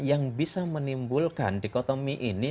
yang bisa menimbulkan dikotomi ini